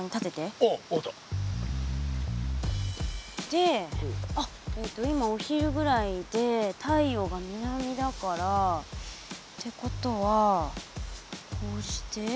であっ今お昼ぐらいで太陽が南だから。ってことはこうして。